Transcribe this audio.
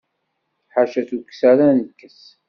Ḥaca tukksa ara nekkes.